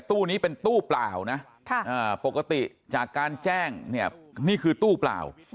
ตู้นี้เป็นตู้เปล่านะปกติจากการแจ้งเนี่ยนี่คือตู้เปล่า